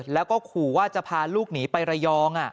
แล้วก็ขู่ว่าจะพาลูกหนีไประยอง